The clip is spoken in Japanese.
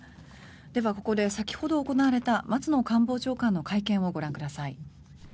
ではここで先ほど行われた松野官房長官の会見をご覧ください。